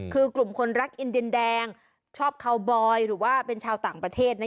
คือกลุ่มคนรักอินเดียนแดงชอบคาวบอยหรือว่าเป็นชาวต่างประเทศ